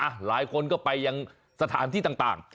หลายคนก็ไปยังสถานที่ต่าง